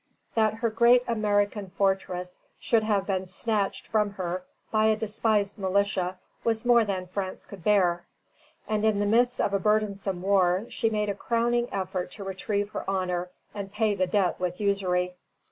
That her great American fortress should have been snatched from her by a despised militia was more than France could bear; and in the midst of a burdensome war she made a crowning effort to retrieve her honor and pay the debt with usury.